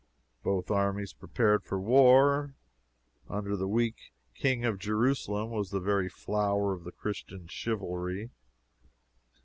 Both armies prepared for war. Under the weak King of Jerusalem was the very flower of the Christian chivalry.